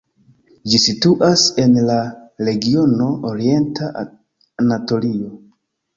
Ĝi situas en la regiono Orienta Anatolio.